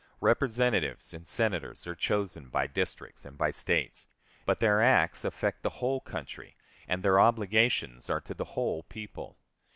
Representatives and Senators are chosen by districts and by States, but their acts affect the whole country, and their obligations are to the whole people.